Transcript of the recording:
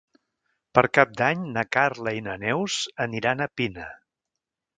Per Cap d'Any na Carla i na Neus aniran a Pina.